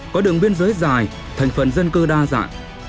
có đường biên giới dài thành phần dân cư đa dạng